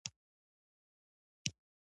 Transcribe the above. بیا یې په غیږ کې اړوي را اوړي